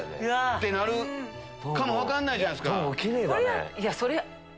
ってなるかも分からないじゃないですか。